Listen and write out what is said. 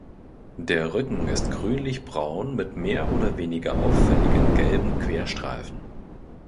Der Rücken ist grünlichbraun mit mehr oder weniger auffälligen gelben Querstreifen.